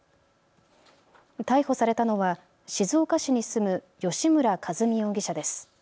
逮捕されたのは静岡市に住む吉村和美容疑者です。